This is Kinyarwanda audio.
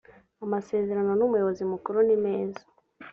amasezerano n umuyobozi mukuru nimeza